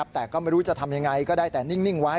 แต่ก็ไม่รู้จะทำยังไงก็ได้แต่นิ่งไว้